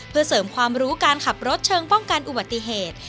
เพื่อเสริมความรู้การขับรถเชิงป้องกันอุบัติเหตุ